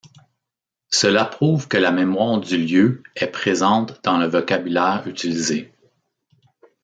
Cela prouve que la mémoire du lieu est présente dans le vocabulaire utilisé.